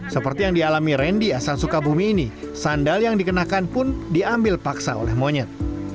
seperti yang dialami randy asal sukabumi ini sandal yang dikenakan pun diambil paksa oleh monyet